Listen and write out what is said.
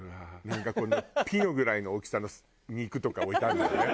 なんかこのピノぐらいの大きさの肉とか置いてあるのよね。